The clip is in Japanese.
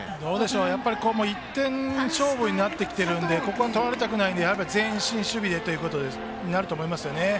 やはり１点勝負になってきているのでここは取られたくないので前進守備になると思います。